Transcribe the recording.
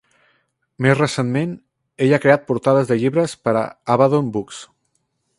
Més recentment, ell ha creat portades de llibres per a Abaddon Books.